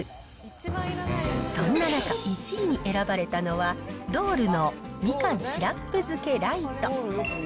そんな中、１位に選ばれたのは、ドールのみかん・シラップ漬けライト。